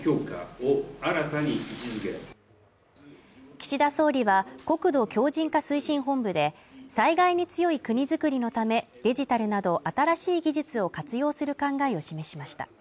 岸田総理は国土強靭化推進本部で災害に強い国作りのためデジタルなど新しい技術を活用する考えを示しました